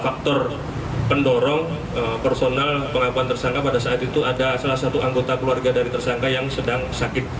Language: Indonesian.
faktor pendorong personal pengakuan tersangka pada saat itu ada salah satu anggota keluarga dari tersangka yang sedang sakit